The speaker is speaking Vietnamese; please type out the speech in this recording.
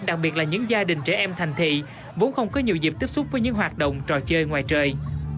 đặc biệt là những gia đình trẻ em thành thị vốn không có nhiều dịp tiếp xúc với những hoạt động trò chơi ngoài trời